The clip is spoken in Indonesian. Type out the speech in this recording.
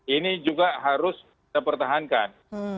ini juga harus kita pertahankan